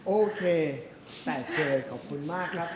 โอเคแต่เคยขอบคุณมากครับ